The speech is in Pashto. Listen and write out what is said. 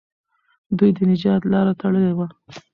دوی د نجات لاره تړلې وه.